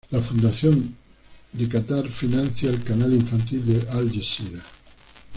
La Fundación de Catar financia el Canal Infantil de Al Jazeera.